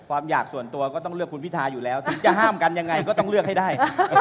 ความอยากส่วนตัวก็ต้องเลือกคุณพิทาอยู่แล้วถึงจะห้ามกันยังไงก็ต้องเลือกให้ได้